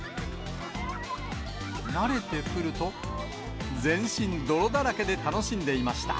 慣れてくると、全身泥だらけで楽しんでいました。